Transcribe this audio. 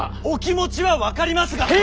お気持ちは分かりますが。